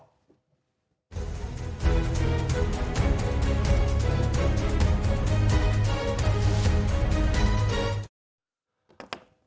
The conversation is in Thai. อืม